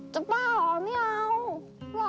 จะเปล่าหรอไม่เอา